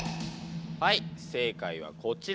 はい正解はこちら。